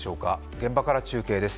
現場から中継です。